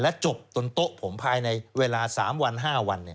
จบบนโต๊ะผมภายในเวลา๓วัน๕วัน